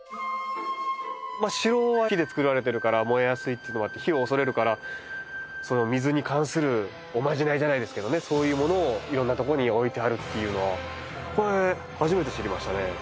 城は木で造られてるから燃えやすいっていうのもあって火を恐れるから水に関するおまじないじゃないですけどそういうものをいろんなとこに置いてあるっていうのはこれ初めて知りましたね。